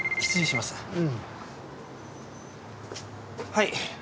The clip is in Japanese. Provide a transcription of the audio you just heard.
はい。